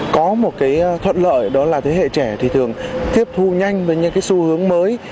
có một cái thuận lợi đó là thế hệ trẻ thì thường tiếp thu nhanh với những cái xu hướng mới